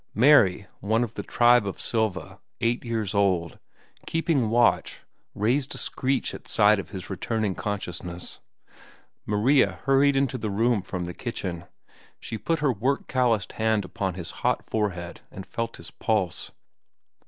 Mary, one of the tribe of Silva, eight years old, keeping watch, raised a screech at sight of his returning consciousness. Maria hurried into the room from the kitchen. She put her work calloused hand upon his hot forehead and felt his pulse.